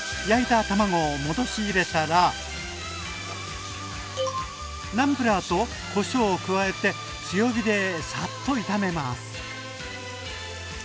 焼いた卵を戻し入れたらナムプラーとこしょうを加えて強火でサッと炒めます。